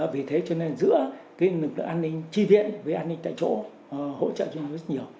vì thế cho nên giữa cái lực lượng an ninh tri viện với an ninh tại chỗ hỗ trợ cho nhau rất nhiều